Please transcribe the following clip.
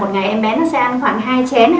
một ngày em bé sẽ ăn khoảng hai chén